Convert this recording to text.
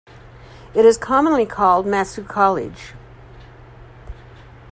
It is commonly called Mat-Su College.